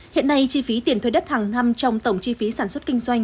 hiện nay chi phí tiền thuê đất hàng năm trong tổng chi phí sản xuất kinh doanh